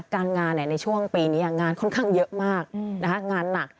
การงานในช่วงปีนี้งานค่อนข้างเยอะมากงานหนัก